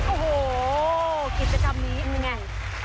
โอ้โหกิจกรรมนี้เป็นไง